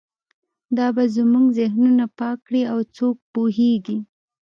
دا به زموږ ذهنونه پاک کړي او څوک پوهیږي